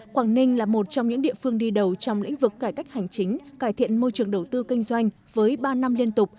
quảng ninh là một trong những địa phương đi đầu trong lĩnh vực cải cách hành chính cải thiện môi trường đầu tư kinh doanh với ba năm liên tục